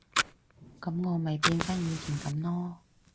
噉我咪變返以前噉囉